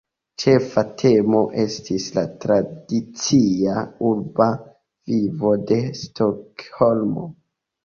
Ĉefa temo estis la tradicia urba vivo de Stokholmo.